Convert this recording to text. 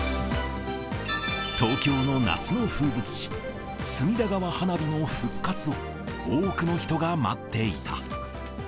東京の夏の風物詩、隅田川花火の復活を多くの人が待っていた。